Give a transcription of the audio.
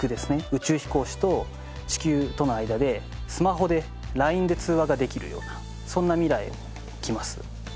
宇宙飛行士と地球との間でスマホでラインで通話ができるようなそんな未来もきます。